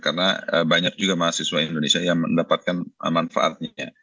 karena banyak juga mahasiswa indonesia yang mendapatkan manfaatnya